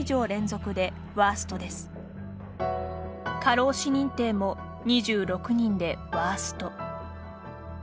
過労死認定も２６人でワースト。